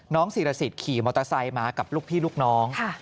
ศิรสิทธิ์ขี่มอเตอร์ไซค์มากับลูกพี่ลูกน้อง